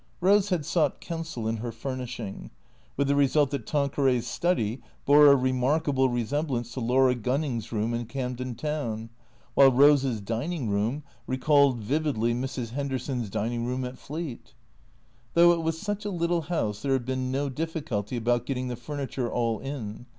Rose had sought counsel in her furnishing; with the result that Tanqueray's study bore a remarkable resemblance to Laura Gunning's room in Camden Town, while Rose's dining room re called vividly Mrs. Henderson's dining room at Fleet. Though it was such a little house, there had been no difficulty about getting the furniture all in.